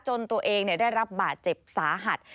ตัวเองได้รับบาดเจ็บสาหัส